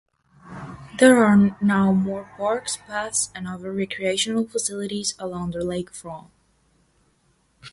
There are now more parks, paths, and other recreational facilities along the lakefront.